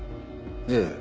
ええ。